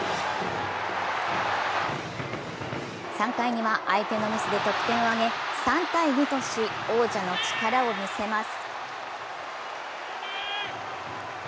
３回には相手のミスで得点を挙げ３−２とし王者の力を見せます。